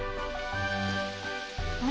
あれ？